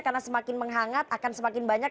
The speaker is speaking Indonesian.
karena semakin menghangat akan semakin banyak